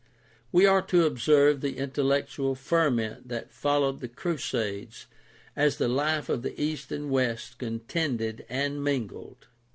We are to observe the intellectual ferment that followed the Crusades as the life of East and West contended and mingled.